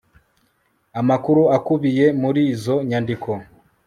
amakuru akubiye muri izo nyandiko